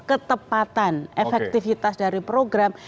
ketepatan efektivitas dari program